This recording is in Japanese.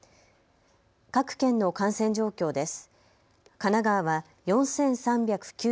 各県の感染状況です。